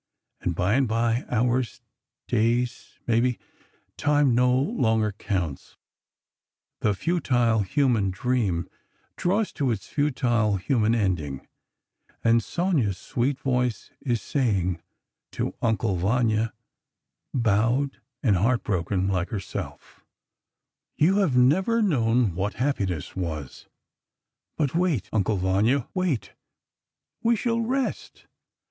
And by and by ... hours, days, maybe—time no longer counts—the futile human dream draws to its futile human ending, and Sonia's sweet voice is saying—to Uncle Vanya, bowed and heartbroken, like herself: "You have never known what happiness was ... but wait, Uncle Vanya, wait. We shall rest.